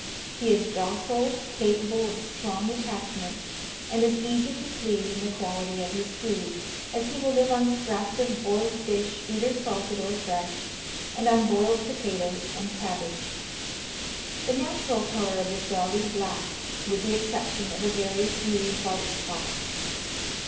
He is docile, capable of strong attachment, and is easy to please in the quality of his food, as he will live on scraps of boiled fish, either salted or fresh, and on boiled potatoes and cabbage. The natural colour of this dog is black, with the exception of a very few white spots.